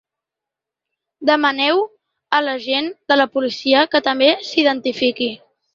Demaneu a l’agent de la policia que també s’identifiqui.